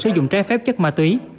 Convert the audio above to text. sử dụng trái phép chất ma túy